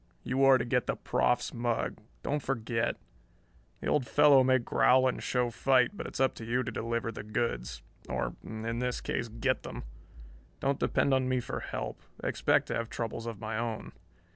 You are to get the proff's mug. Don't forget. The old fellow may growl and show fight, but it's up to you to deliver the goods or, in this case, get them. Don't depend on me for help. I expect to have troubles of my own."